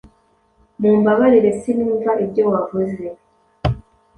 Mumbabarire, sinumva ibyo wavuze.